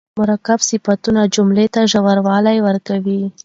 مرکب صفتونه جملې ته ژوروالی ورکوي.